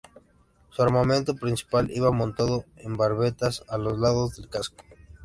Su armamento principal iba montado en barbetas a los lados del casco.